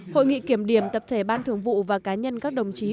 hội nghị kiểm điểm tập thể ban thường vụ và cá nhân các đồng chí